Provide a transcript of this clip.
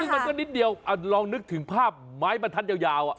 ซึ่งมันก็นิดเดียวลองนึกถึงภาพไม้บรรทัดยาว